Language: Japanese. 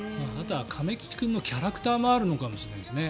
亀吉君のキャラクターもあるのかもしれないですね。